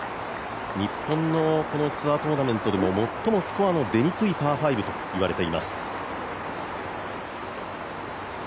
日本のツアートーナメントでも最もスコアの出にくいパー５といわれています。